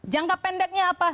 jangka pendeknya apa